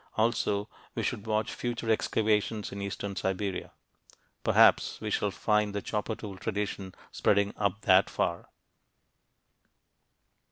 Also we should watch future excavations in eastern Siberia. Perhaps we shall find the chopper tool tradition spreading up that far.